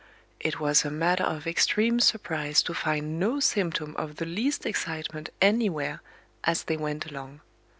It was a matter of extreme surprise to find no symptom of the least excitement anywhere as they went along.